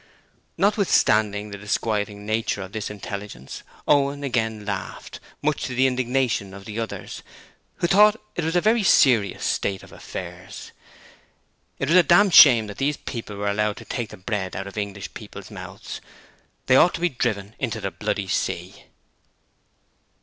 Notwithstanding the disquieting nature of this intelligence, Owen again laughed, much to the indignation of the others, who thought it was a very serious state of affairs. It was a dam' shame that these people were allowed to take the bread out of English people's mouths: they ought to be driven into the bloody sea.